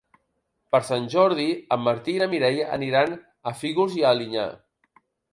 Per Sant Jordi en Martí i na Mireia aniran a Fígols i Alinyà.